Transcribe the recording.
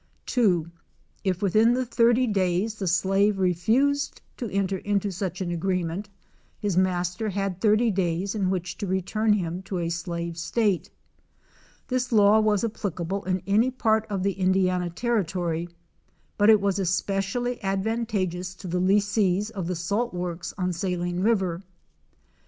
(2) If within the 30 days the slave refused to enter into such an agreement his master had 80 days in which to return him to a slave state. This law was applicable in any part of the Indiana territory, but it was specially advantageous to the lessees of the salt works on Saline river. Mr.